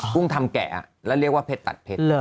กุ้งทำแกะแล้วเรียกว่าเพชรตัดเพชร